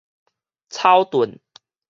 草屯